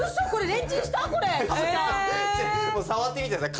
触ってみてください。